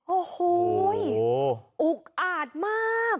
โอ้โหอุกอาจมาก